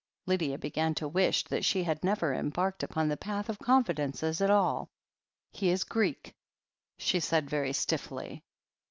Lydia began to wish that she had never embarked upon the path of confidences at all. 'He is Greek," she said very stiffly.